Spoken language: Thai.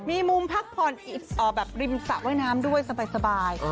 มีมุมพักผ่อนแบบริมสระว่ายน้ำด้วยสบาย